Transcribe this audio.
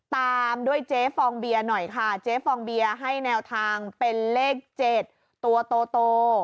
ตามด้วยเจ๊ฟองเบียร์หน่อยค่ะเจ๊ฟองเบียร์ให้แนวทางเป็นเลข๗ตัวโต